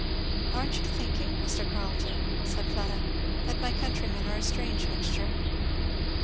"Aren't you thinking, Mr. Carleton," said Fleda, "that my countrymen are a strange mixture?"